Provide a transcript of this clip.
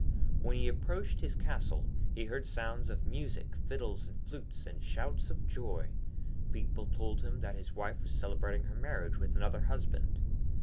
When he approached his castle he heard sounds of music, fiddles and flutes, and shouts of joy. People told him that his wife was celebrating her marriage with another husband.